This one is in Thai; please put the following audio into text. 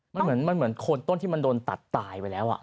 มันเหมือนมันเหมือนโคนต้นที่มันโดนตัดตายไปแล้ว